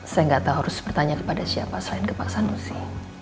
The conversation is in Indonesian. saya nggak tahu harus bertanya kepada siapa selain ke pak sanusi